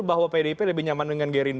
bahwa pdip lebih nyaman menggunakan